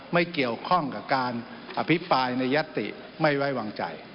ไม่เกี่ยวข้องกับการอภิปรายในยัตติไม่ไว้วางใจ